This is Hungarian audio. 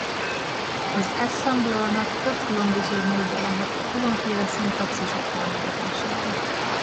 Az assemblernek több különböző módja lehet a különféle szintaxisok támogatására.